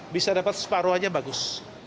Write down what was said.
bisa dapat separuh saja bagus